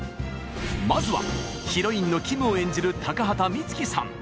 まずはヒロインのキムを演じる高畑充希さん。